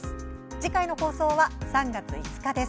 次回の放送は３月５日です。